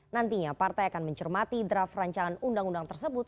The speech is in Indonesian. nantinya partai akan mencermati draft rancangan undang undang tersebut